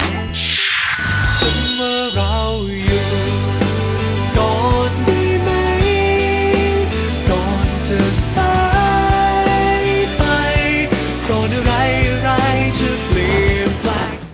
สมมุติเราอยู่ก่อนได้ไหมก่อนจะสายไปก่อนไรจะเปลี่ยนไป